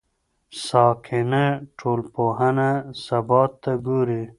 ساکنه ټولنپوهنه ثبات ته ګوري.